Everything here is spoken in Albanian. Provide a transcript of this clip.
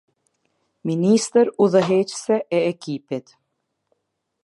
Ministër Udhëheqëse e Ekipit.